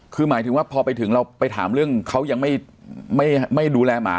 คือหมายถึงว่าพอไปถึงเราไปถามเรื่องเขายังไม่ดูแลหมา